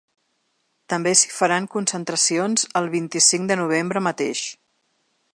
També s’hi faran concentracions el vint-i-cinc de novembre mateix.